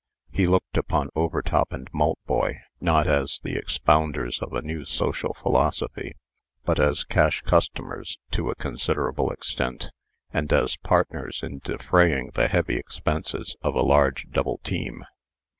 He looked upon Overtop and Maltboy, not as the expounders of a new social philosophy, but as cash customers to a considerable extent, and as partners in defraying the heavy expenses of a large double team.